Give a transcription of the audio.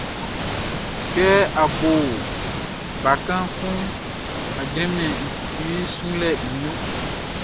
Kɛ a bo bakan kunʼn, a jranmɛn i sunlɛʼn i ɲrun.